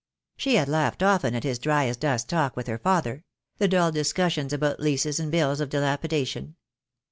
She had laughed often at his dry as dust talk with her father — the dull discussions about leases and bills of dilapidation.